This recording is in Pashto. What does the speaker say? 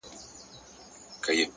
ناروغه دی اخ نه کوي زگيروی نه کوي-